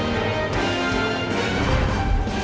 สวัสดีครับ